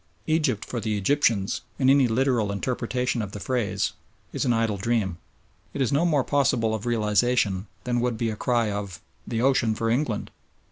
"Egypt for the Egyptians" in any literal interpretation of the phrase is an idle dream. It is no more possible of realisation than would be a cry of "the ocean for England."